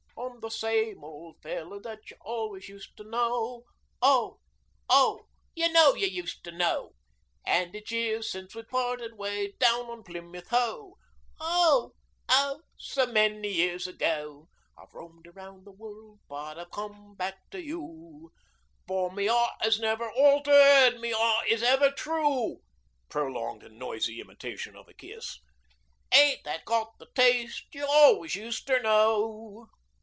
I'm the same ol' feller that you always used to know Oh! Oh! you know you used to know An' it's years since we parted way down on Plymouth Hoe Oh! Oh! So many years ago. I've roamed around the world, but I've come back to you, For my 'eart 'as never altered, my 'eart is ever true. [Prolonged and noisy imitation of a kiss.] Ain't that got the taste you always used to know?